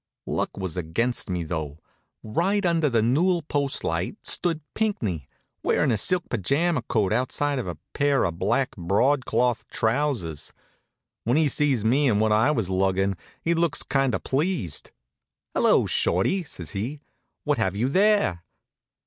Luck was against me, though. Right under the newel post light stood Pinckney, wearin' a silk pajama coat outside of a pair of black broadcloth trousers. When he sees me and what I was luggin' he looks kind of pleased. "Hello, Shorty!" says he. "What have you there?"